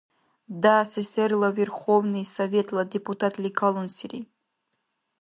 ДАССР-ла Верховный Советла депутатли калунсири.